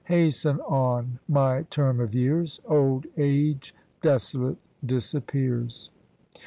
Hasten on, my term of years: Old age, desolate, disappears.